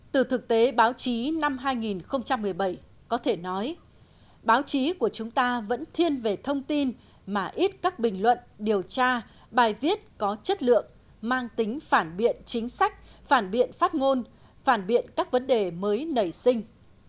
từ thực tế báo chí năm hai nghìn một mươi bảy có thể nói báo chí của chúng ta vẫn thiên về thông tin mà ít các bình luận điều tra bài viết có chất lượng mang tính phản biện chính sách phản biện phát ngôn phản biện các vấn đề mới nảy sinh